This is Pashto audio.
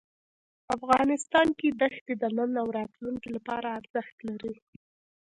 افغانستان کې دښتې د نن او راتلونکي لپاره ارزښت لري.